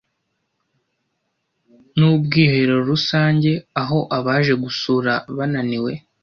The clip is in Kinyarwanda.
ni ubwiherero rusange aho abaje gusura bananiwe